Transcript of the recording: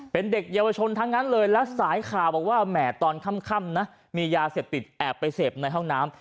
เป็นเด็กเยาวชนทั้งนั้นเลยและสายข่าวบอกว่าแหมตอนค่ำนะมียาเสพติดแอบไปเสพในห้องน้ำ